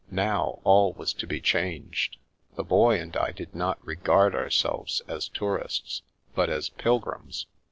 Now, all was to be changed. The Boy and I did not regard ourselves as tourists, but as pilgrims.